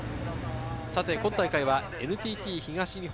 今大会はＮＴＴ東日本